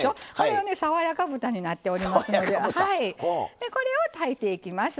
爽やか豚になっておりますのでこれを炊いていきます。